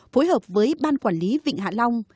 phối hợp với ban quản lý vịnh hạ long